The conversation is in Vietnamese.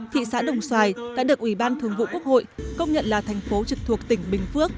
thị xã đồng xoài đã được ủy ban thường vụ quốc hội công nhận là thành phố trực thuộc tỉnh bình phước